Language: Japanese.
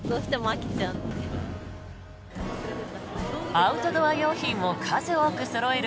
アウトドア用品を数多くそろえる